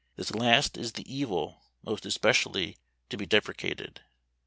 This last is the evil most especially to be deprecated.